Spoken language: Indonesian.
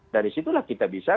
dari situlah kita bisa